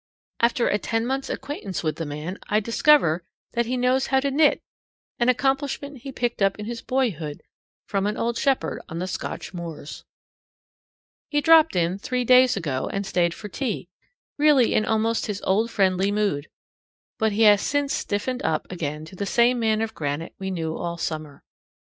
After a ten months' acquaintance with the man, I discover that he knows how to knit, an accomplishment he picked up in his boyhood from an old shepherd on the Scotch moors. He dropped in three days ago and stayed for tea, really in almost his old friendly mood. But he has since stiffened up again to the same man of granite we knew all summer.